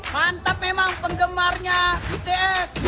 mantap memang penggemarnya bts